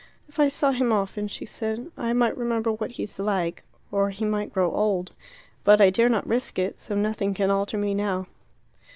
"If I saw him often," she said, "I might remember what he is like. Or he might grow old. But I dare not risk it, so nothing can alter me now."